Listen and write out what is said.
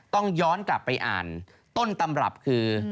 ต้องย้อนกลับไปอ่านต้นตำรับคือ